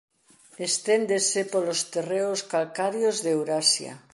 Esténdese polos terreos calcarios de Eurasia.